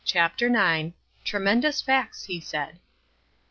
CHAPTER IX. "TREMENDOUS FACTS!" HE SAID.